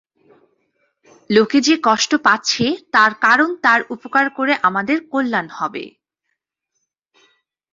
লোকে যে কষ্ট পাচ্ছে, তার কারণ তার উপকার করে আমাদের কল্যাণ হবে।